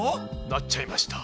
なっちゃいました。